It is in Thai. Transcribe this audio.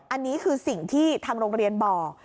อันนี้คือสิ่งที่ทางโรงเรียนบอก